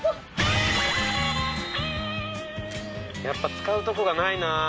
やっぱ使うとこがないな。